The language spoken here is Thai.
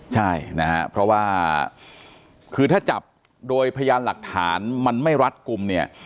ใช่นะฮะเพราะว่าคือถ้าจับโดยพยานหลักฐานมันไม่รัดกลุ่มเนี่ย